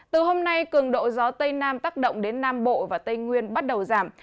từ hôm nay cường độ gió tây nam tác động đến nam bộ và tây nguyên bắt đầu giảm